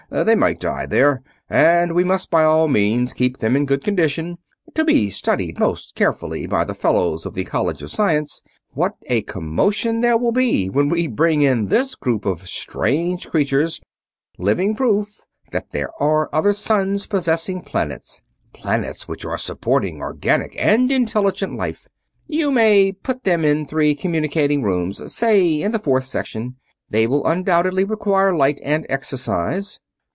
They might die there, and we must by all means keep them in good condition, to be studied most carefully by the fellows of the College of Science. What a commotion there will be when we bring in this group of strange creatures, living proof that there are other suns possessing planets; planets which are supporting organic and intelligent life! You may put them in three communicating rooms, say in the fourth section they will undoubtedly require light and exercise.